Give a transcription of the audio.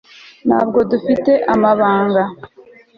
ntabwo dufite amabanga